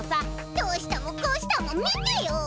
どうしたもこうしたも見てよ！